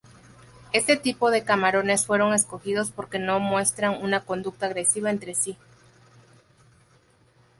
Este tipo de camarones fueron escogidos porque no muestran una conducta agresiva entre sí.